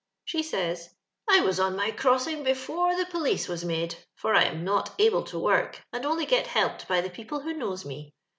She says :—" I was on my crossing before the police was made, f«)r I am not able to work, and only get helped by the people who knows me.